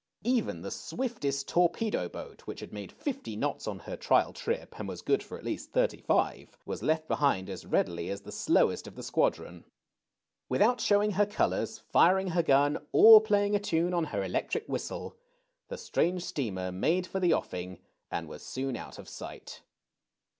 Even the swiftest torpedo boat, which had made fifty knots on her trial trip, and was good for at least thirty five, was left behind as readily as the slowest of the squadron. Without showing her colors, firing her gun, or playing a tune on her electric whistle, the strange steamer made for the offing and was soon out of sight.